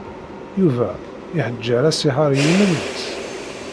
Yuba iḥeǧǧeṛ asihaṛ i yiman-nnes?